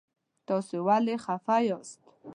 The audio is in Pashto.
تاسو ولې خفه یاست؟